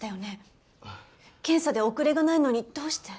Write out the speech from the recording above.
検査で遅れがないのにどうして？